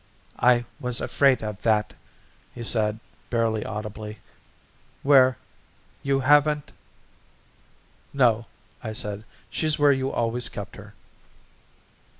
"I was afraid of that," he said barely audibly. "Where you haven't ?" "No," I said. "She's where you always kept her."